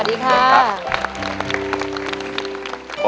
สวัสดีค่ะ